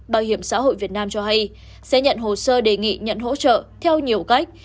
bảo hiểm xã hội việt nam cho hay sẽ nhận hồ sơ đề nghị nhận hỗ trợ theo nhiều cách